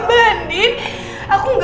aku gak mungkin ketemu sama roy